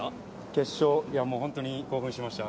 本当に興奮しました。